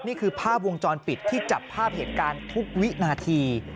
นี่คือภาพวงจรปิดที่จับภาพเหตุการณ์ทุกวินาที